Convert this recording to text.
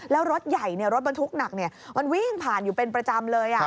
แล้วรถใหญ่รถบรรทุกหนักมันวิ่งผ่านอยู่เป็นประจำเลย